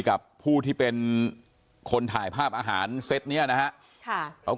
กับผู้ที่เป็นคนถ่ายภาพอาหารเซตนี้นะฮะ